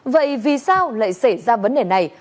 vậy vì sao lại xảy ra vấn đề này